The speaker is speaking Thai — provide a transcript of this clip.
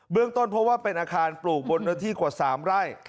เรื่องต้นเพราะว่าเป็นอาคารปลูกบนเนื้อที่กว่า๓ไร่